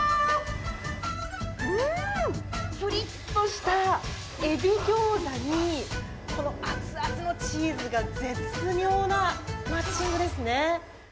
プリッとしたエビギョーザにこの熱々のチーズが絶妙なマッチングですね。